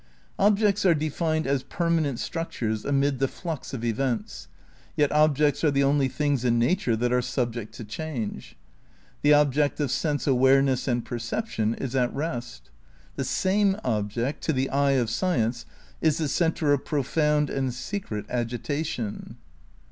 Objects are defined as permanent structures amid the flux of events; yet objects are the only things in nature that are subject to change. The object of sense awareness and perception is at rest. The same object, to the eye of science, is the centre of profound and secret agitation.